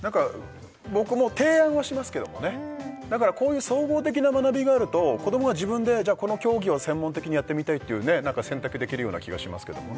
僕も提案はしますけどもねだからこういう総合的な学びがあると子どもが自分でじゃこの競技を専門的にやってみたいっていうね選択できるような気がしますけどもね